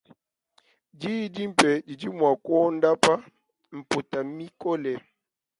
Diyi dimpe didi mua kuondopa mputa mikole.